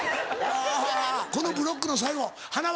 このブロックの最後はなわ。